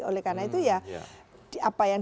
oleh karena itu ya apa yang